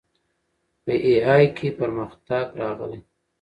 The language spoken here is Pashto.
په اې ای کې پرمختګ راغلی.